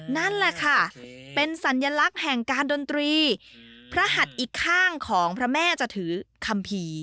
นั่นแหละค่ะเป็นสัญลักษณ์แห่งการดนตรีพระหัดอีกข้างของพระแม่จะถือคัมภีร์